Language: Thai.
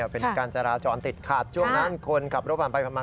เป็นการจราจรติดขัดช่วงนั้นคนขับรถผ่านไปผ่านมา